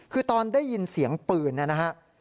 คือตอนได้ยินเสียงปืนนะครับ